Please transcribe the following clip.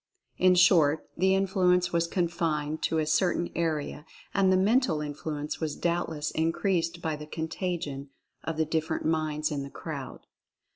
In short, the influence was confined to a certain area and the mental influence was doubtless increased by the "contagion" of the different minds in the crowd.